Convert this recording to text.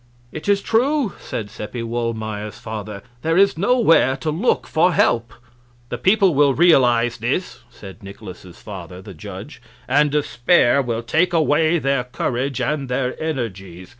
"It is true," said Seppi Wohlmeyer's father; "there is nowhere to look for help." "The people will realize this," said Nikolaus's father, the judge, "and despair will take away their courage and their energies.